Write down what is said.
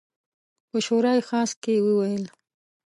په شورای خاص کې وویل.